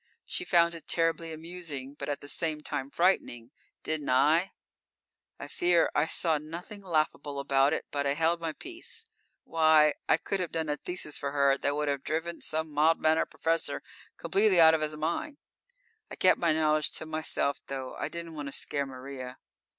She found it terribly amusing, but at the same time frightening: Didn't I? I fear I saw nothing laughable about it, but I held my peace. Why, I could have done a thesis for her that would have driven some mild mannered prof completely out of his mind! I kept my knowledge to myself, though; I didn't want to scare Maria.